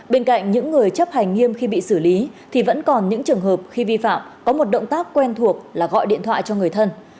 bên cạnh những người chấp hành nghiêm khi bị xử lý thì vẫn còn những trường hợp khi vi phạm có một động tác quen thuộc là gọi điện thoại cho người thân